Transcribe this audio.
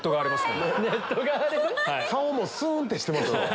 ⁉顔もスン！ってしてますよ。